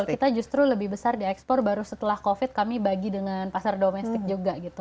kita justru lebih besar diekspor baru setelah covid kami bagi dengan pasar domestik juga gitu